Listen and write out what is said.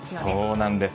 そうなんです。